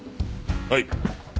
はい。